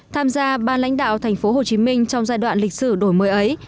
tham gia ban lãnh đạo thành phố hồ chí minh trong giai đoạn lịch sử đổi mới ấy